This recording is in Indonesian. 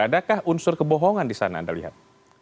adakah unsur kebohongan di sana anda lihat